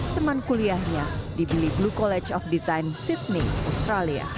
teman kuliahnya dibeli blue collar